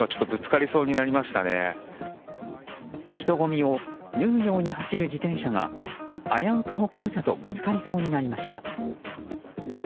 人混みを縫うように走る自転車が危うく歩行者とぶつかりそうになりました。